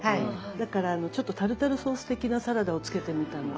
だからちょっとタルタルソース的なサラダをつけてみたの。